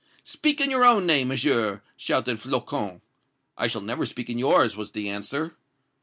"'Speak in your own name, Monsieur!' shouted Flocon. "'I shall never speak in yours!' was the answer.